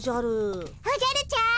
おじゃるちゃん